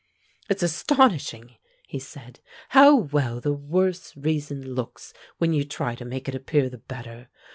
"It's astonishing," he said, "how well the worse reason looks when you try to make it appear the better.